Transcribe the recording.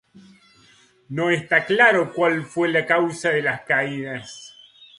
No está claro cuál fue la causa de las caídas.